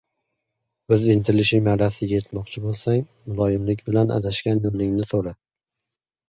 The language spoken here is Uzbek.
O‘z intilishing marrasiga yetmoqchi bo‘lsang — muloyimlik bilan adashgan yo‘lingni so‘ra.